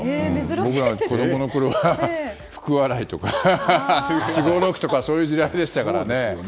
僕が子供のころは福笑いとかすごろくとかそういう時代でしたからね。